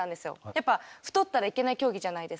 やっぱ太ったらいけない競技じゃないですか。